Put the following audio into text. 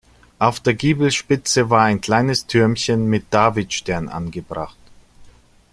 Auf der Giebelspitze war ein kleines Türmchen mit Davidstern angebracht.